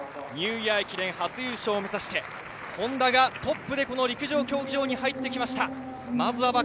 ニューイヤー駅伝初優勝を目指してＨｏｎｄａがトップで陸上競技場に入ってきました。